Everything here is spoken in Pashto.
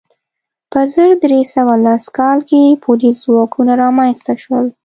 په زر درې سوه لس کال کې پولیس ځواکونه رامنځته شول.